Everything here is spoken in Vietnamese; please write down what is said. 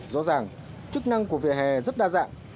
rõ ràng chức năng của vỉa hè rất đa dạng